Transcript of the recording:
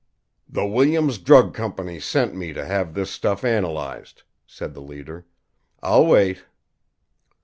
"The Williams Drug Company sent me to have this stuff analyzed," said the leader. "I'll wait."